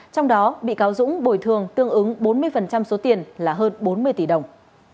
trong đó bị cáo dũng bồi thường tương ứng bốn mươi số tiền là hơn bốn mươi tỷ đồng